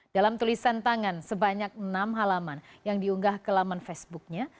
dalam tulisan tangan sebanyak enam halaman yang diunggah ke laman facebooknya